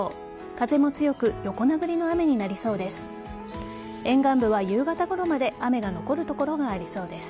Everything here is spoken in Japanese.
風も強く横殴りの雨になりそうです。